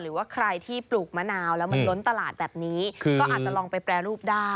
หรือว่าใครที่ปลูกมะนาวแล้วมันล้นตลาดแบบนี้ก็อาจจะลองไปแปรรูปได้